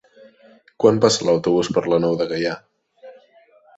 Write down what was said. Quan passa l'autobús per la Nou de Gaià?